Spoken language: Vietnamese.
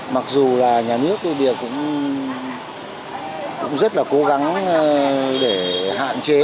mặc dù là nhà nước tuy địa cũng rất là cố gắng để hạn chế